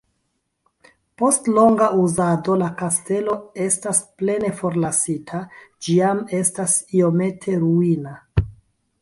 Post longa uzado la kastelo estas plene forlasita, ĝi jam estas iomete ruina.